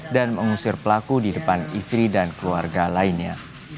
mengusir pelaku di depan istri dan keluarga lainnya